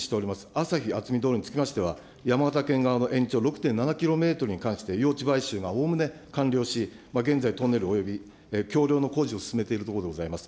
あさひあつみ道路につきましては、山形県側の延長６．７キロメートルに関して、用地買収がおおむね完了し、現在、トンネルおよび橋りょうの工事を進めているところでございます。